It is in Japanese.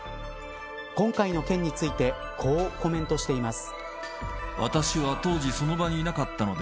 今回の件についてこうコメントしています。